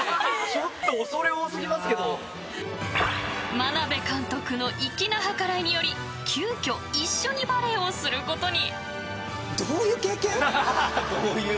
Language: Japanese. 眞鍋監督の粋な計らいにより急きょ一緒にバレーをすることに。